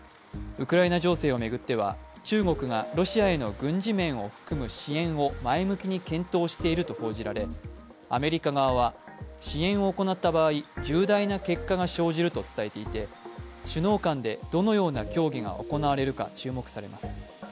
ウクライナ情勢を巡っては中国がロシアへの軍事面を含む支援を前向きに検討していると報じられアメリカ側は支援を行った場合、重大な結果が生じると伝えていて首脳間でどのような協議が行われるか注目されます。